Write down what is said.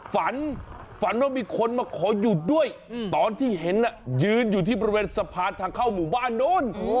ฝันฝันว่ามีคนมาขอหยุดด้วยตอนที่เห็นยืนอยู่ที่บริเวณสะพานทางเข้าหมู่บ้านโน้น